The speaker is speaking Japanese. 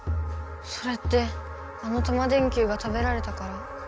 それってあのタマ電Ｑが食べられたから？